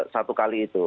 satu kali itu